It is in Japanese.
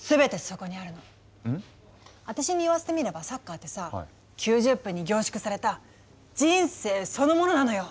私に言わせてみればサッカーってさ９０分に凝縮された人生そのものなのよ。